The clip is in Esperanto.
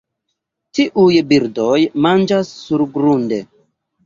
Tiuj birdoj manĝas surgrunde.